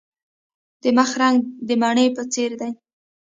د مخ رنګ د مڼې په څیر دی.